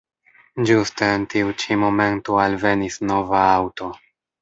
Ĝuste en tiu ĉi momento alvenis nova aŭto.